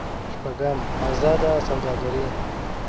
شپږم: ازاده سوداګري.